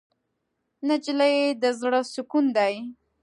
نجلۍ د زړه سکون دی.